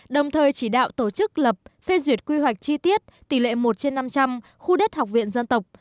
đồng thời chỉ đạo tổ chức lập phê duyệt quy hoạch chi tiết tỷ lệ một trên năm trăm linh khu đất học viện dân tộc